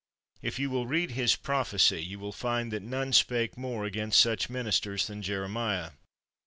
If you will read his prophecy, you will find that none spake more against such ministers than Jeremiah.